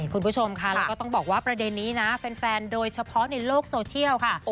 คุณผู้ชมค่ะแล้วก็ต้องบอกว่าประเด็นนี้นะแฟนโดยเฉพาะในโลกโซเชียลค่ะ